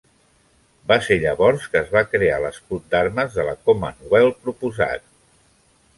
Va ser llavors que es va crear l'escut d'armes de la Commonwealth proposat.